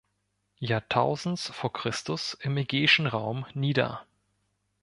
Jahrtausends vor Christus im ägäischen Raum nieder.